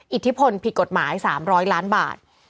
อิทธิพลผิดกฎหมาย๓๐๐ล้านบาท